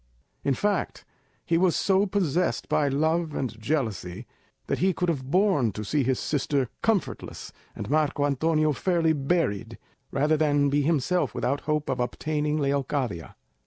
In fact, he was so possessed by love and jealousy, that he could have borne to see his sister comfortless, and Marco Antonio fairly buried, rather than be himself without hope of obtaining Leocadia.